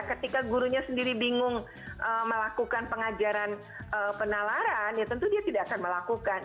ketika gurunya sendiri bingung melakukan pengajaran penalaran ya tentu dia tidak akan melakukan